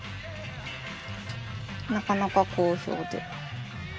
なかなか好評で。